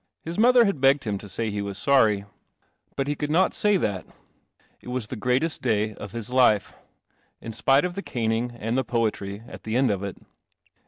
1 1 i^ mother had begged him to ayhewa sorn But THE CELESTIAL OMNIBUS he could not say that. It was the greatest day of his life, in spite of the caning and the poetry at the end of it.